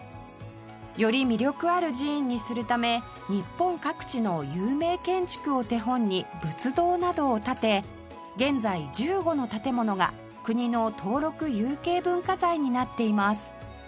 より魅力ある寺院にするため日本各地の有名建築を手本に仏堂などを建て現在１５の建物が国の登録有形文化財になっています